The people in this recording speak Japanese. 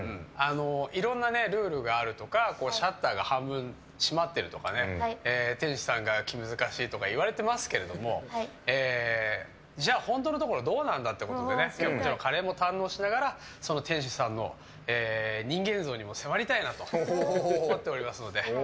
いろんなルールがあるとかシャッターが半分閉まってるとか店主さんが気難しいとか言われてますけどじゃあ本当のところどうなんだということで今日はカレーも堪能しながら店主さんの人間像にも迫りたいなと思っておりますので。